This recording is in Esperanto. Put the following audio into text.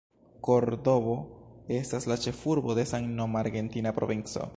Kordobo estas la ĉefurbo de samnoma argentina provinco.